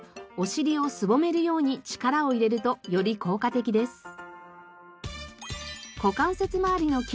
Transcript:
お尻をすぼめるように力を入れるとより効果的です。